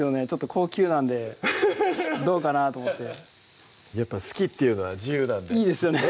高級なんでどうかなと思って好きって言うのは自由なんでいいですよね